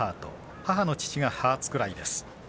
母の父がハーツクライです。